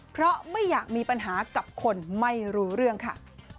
เพราะไม่อยากมีปัญหากับคนไม่รู้เรื่องค่ะ